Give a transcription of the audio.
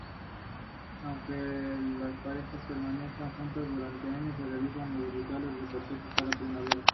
Sólo creo en los personajes que van saliendo solos.